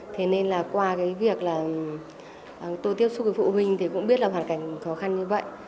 thế nên là qua cái việc là tôi tiếp xúc với phụ huynh thì cũng biết là hoàn cảnh khó khăn như vậy